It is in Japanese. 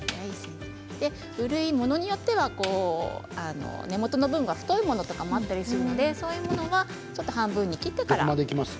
うるいはものによっては根元の部分が太いものがあったりしますのでそういうものは半分に切ってから。